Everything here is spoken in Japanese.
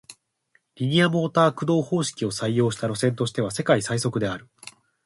リニアモーター駆動方式を採用した路線としては世界最速である